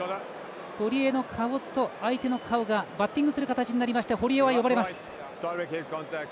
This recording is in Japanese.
堀江の顔と相手の顔がバッティングする形になりまして堀江が呼ばれます。